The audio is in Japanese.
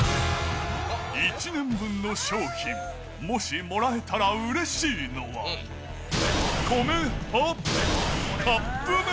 １年分の賞品もしもらえたらうれしいのは、米派？